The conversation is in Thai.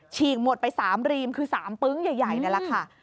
ฉีกหมดไป๓รีมคือ๓ปึ๊งใหญ่นั่นแหละค่ะ